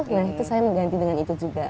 nah itu saya mengganti dengan itu juga